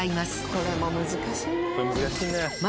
これも難しいな。